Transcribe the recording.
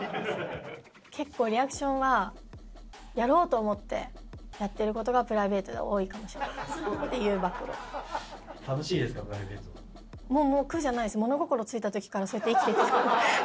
結構リアクションは、やろうと思ってやってることがプライベートでは多いかもしれませ楽しいですか、プライベートもう、苦じゃないです、物心ついたときから、そうやって生きてきた。